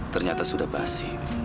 ternyata sudah basi